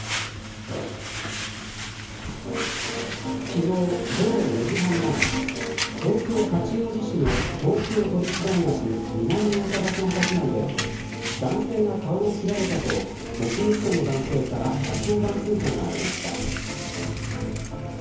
昨日午後４時半前東京、八王子市の東京都立大学南大沢キャンパス内で男性が顔を切られたと目撃者の男性から１１０番通報がありました。